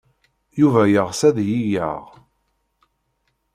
Yuba yeɣs ad iyi-yaɣ.